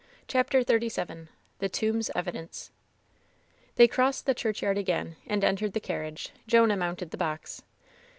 CHAPTER XXXVII THE tomb's evidence They crossed the churchyard again and entered the carriage. Jonah mounted the box.